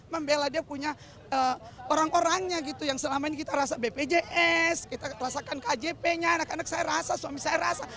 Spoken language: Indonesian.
membela dia punya orang orangnya gitu yang selama ini kita rasa bpjs kita rasakan kjp nya anak anak saya rasa suami saya rasa